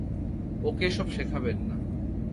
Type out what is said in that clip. ওকে এসব শেখাবেন না!